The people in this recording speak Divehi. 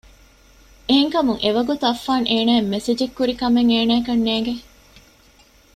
އެހެންކަމުން އެ ވަގުތު އައްފާން އޭނާއަށް މެސެޖެއް ކުރިކަމެއް އޭނާއަކަށް ނޭނގެ